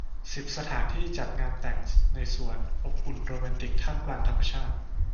สิบ สถานที่จัดงานแต่งในสวน อบอุ่น โรแมนติก ท่ามกลางธรรมชาติ